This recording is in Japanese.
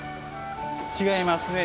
違いますね。